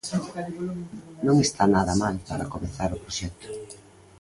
Non está nada mal para comezar o proxecto.